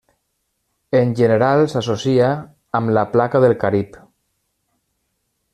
En general s'associa amb la Placa del Carib.